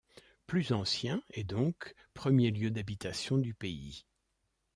Plus ancien et donc premier lieu d'habitation du pays.